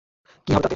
কী হবে তাতে?